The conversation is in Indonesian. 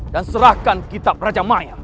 dan serahkan kitab raja maya